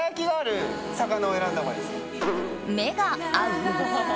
目が合う？